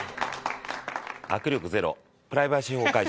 握力ゼロプライバシー保護解除。